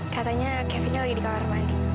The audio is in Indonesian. katanya kevinnya lagi di kamar mandi